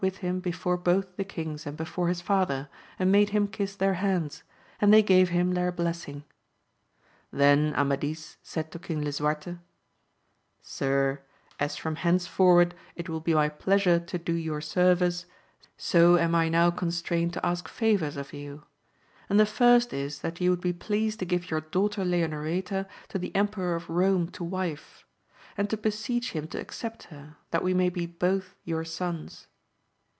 with him before both the kings and before his father, and made him kiss their hands, and they gave him their blessing. Then Amadis said to King Lisuarte, Sir, as fix>m hence forward, it will be my pleasure to do you 8e^ vice, so am I now constrained to ask favours of yon ; and the first is that you would be pleased to give your daughter Leonoreta to the Emperor of Kome to wife ; and to beseech him to accept her, that we may be both your sons.